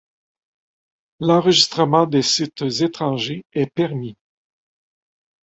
L'enregistrement des sites étrangers est permis.